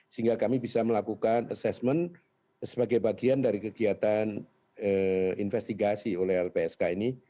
sehingga kami bisa melakukan assessment sebagai bagian dari kegiatan investigasi oleh lpsk ini